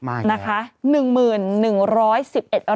มากแล้วค่ะค่ะค่ะค่ะค่ะค่ะค่ะค่ะค่ะค่ะ